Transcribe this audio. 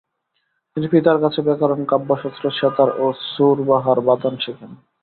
তিনি পিতার কাছে ব্যাকরণ, কাব্যশাস্ত্র, সেতার ও সুরবাহার বাদন শেখেন।